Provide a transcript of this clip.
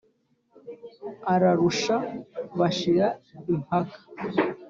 urarusha, bashira impaka